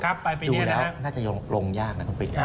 ครับปลายปีนี้นะครับดูแล้วน่าจะลงยากนะคุณปิ๊ก